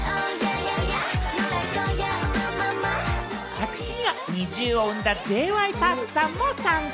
作詞にはＮｉｚｉＵを生んだＪ．Ｙ．Ｐａｒｋさんも参加。